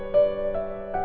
terima kasih yoko